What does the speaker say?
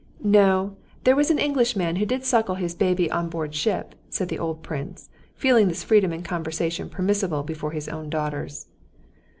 "No, there was an Englishman who did suckle his baby on board ship," said the old prince, feeling this freedom in conversation permissible before his own daughters.